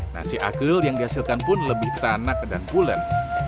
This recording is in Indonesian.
nasi akril yang dihasilkan pun lebih tanak dan pulen